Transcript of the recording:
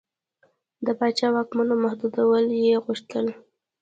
د پاچا د واکونو محدودول یې غوښتل.